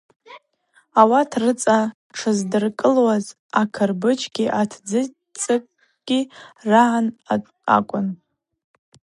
Ауат рыцӏа тшыздыркӏылуаз акырбыджьгьи атыдзквцӏацӏыкви ргӏагра акӏвын.